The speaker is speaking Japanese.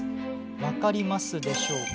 分かりますでしょうか？